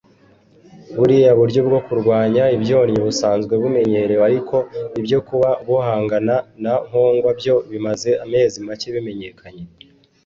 Buriya buryo bwo kurwanya ibyonnyi busanzwe bumenyerewe ariko ibyo kuba buhangana na nkongwa byo bimaze amezi make bimenyekanye